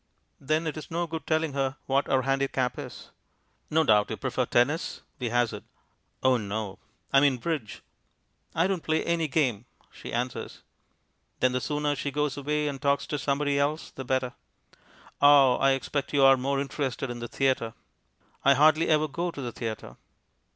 Then it is no good telling her what our handicap is. "No doubt your prefer tennis," we hazard. "Oh no." "I mean bridge." "I don't play any game," she answers. Then the sooner she goes away and talks to somebody else the better. "Ah, I expect you're more interested in the theatre?" "I hardly ever go to the theatre."